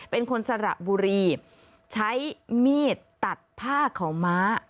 เป็นคนสระบุรีใช้มีดตัดผ้าขาวม้า